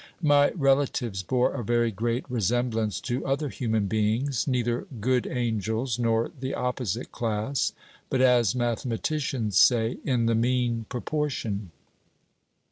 My relatives bore a very great resemblance to other human beings, neither good angels nor the opposite class, but, as mathematicians say, "in the mean proportion."